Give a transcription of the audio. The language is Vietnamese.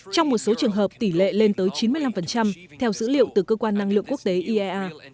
trong một số trường hợp tỷ lệ lên tới chín mươi năm theo dữ liệu từ cơ quan năng lượng quốc tế iea